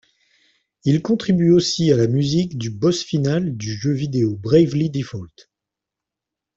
Il contribue aussi à la musique du boss final du jeu vidéo Bravely Default.